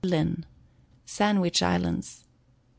Linn. Sandwich Islands.